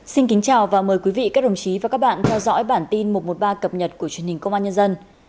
xin kính chào và mời quý vị các đồng chí và các bạn theo dõi bản tin một trăm một mươi ba cập nhật của truyền hình công an nhân dân